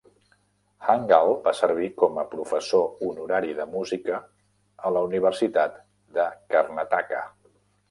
Hangal va servir com a professor honorari de música a la Universitat de Karnataka.